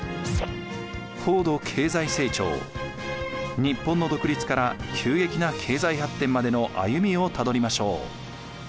日本の独立から急激な経済発展までの歩みをたどりましょう。